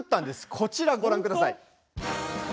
こちら、ご覧ください。